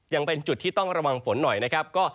ยังเป็นจุดที่ต้องระวังฝนหน่อยนะครับ